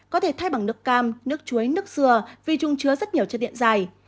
có thể thay bằng nước cam nước chuối nước dừa vì chung chứa rất nhiều chất điện dài